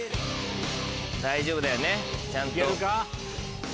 大丈夫だよね？ちゃんと。